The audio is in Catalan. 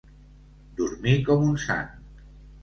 Dormir com un sant.